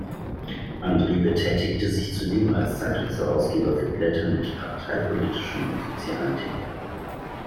Andre betätigte sich zudem als Zeitungsherausgeber für Blätter mit parteipolitischen und sozialen Themen.